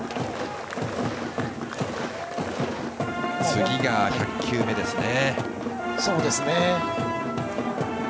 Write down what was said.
次が１００球目ですね。